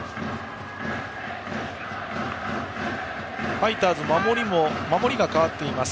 ファイターズ守りが変わっています。